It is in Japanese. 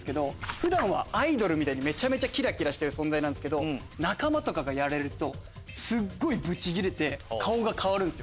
普段はアイドルみたいにキラキラしてる存在ですけど仲間がやられるとすっごいブチギレて顔が変わるんです。